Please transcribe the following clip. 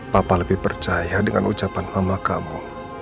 papa lebih percaya dengan ucapan mama kamu